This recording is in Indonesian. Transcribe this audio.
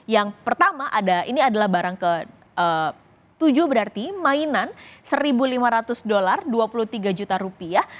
yang pertama ada ini adalah barang ke tujuh berarti mainan seribu lima ratus dolar dua puluh tiga juta rupiah